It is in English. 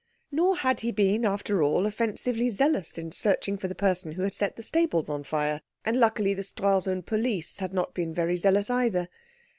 Nor had he been after all offensively zealous in searching for the person who had set the stables on fire; and luckily the Stralsund police had not been very zealous either.